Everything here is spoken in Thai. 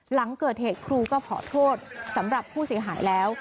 หลังเกิดเหตุครูก็ขอโทษสำหรับผู้เสียหายแล้ว